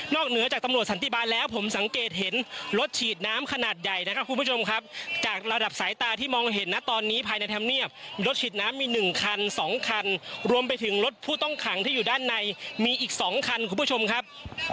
เหนือจากตำรวจสันติบาลแล้วผมสังเกตเห็นรถฉีดน้ำขนาดใหญ่นะครับคุณผู้ชมครับจากระดับสายตาที่มองเห็นนะตอนนี้ภายในธรรมเนียบรถฉีดน้ำมี๑คัน๒คันรวมไปถึงรถผู้ต้องขังที่อยู่ด้านในมีอีก๒คันคุณผู้ชมครับ